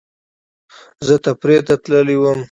زه تفریح ته تللی وم